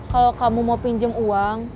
kalau kamu mau pinjam uang